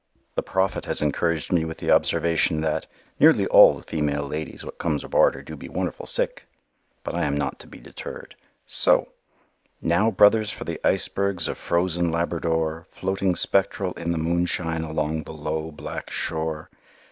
The Prophet has encouraged me with the observation that "nearly all the female ladies what comes aboard her do be wonderful sick," but I am not to be deterred. So: "Now, Brothers, for the icebergs of frozen Labrador, Floating spectral in the moonshine along the low, black shore.